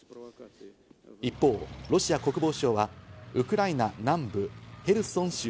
一方、ロシア国防省はウクライナ南部ヘルソン州